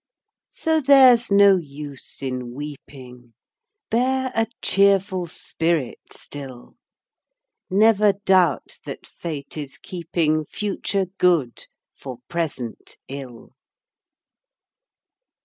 So there's no use in weeping, Bear a cheerful spirit still; Never doubt that Fate is keeping Future good for present ill!